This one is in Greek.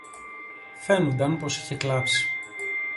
Φαίνουνταν πως είχε κλάψει